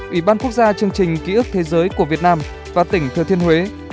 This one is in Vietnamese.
ủy ban quốc gia chương trình ký ức thế giới của việt nam và tỉnh thừa thiên huế